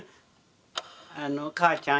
あの「母ちゃん」